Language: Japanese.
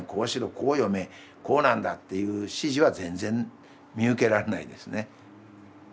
こう読めこうなんだっていう指示は全然見受けられないですね。